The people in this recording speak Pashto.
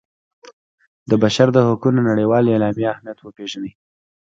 د بشر د حقونو نړیوالې اعلامیې اهمیت وپيژني.